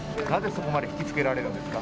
そこまで引きつけられるんですか？